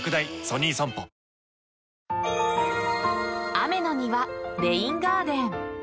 ［雨のにわレインガーデン］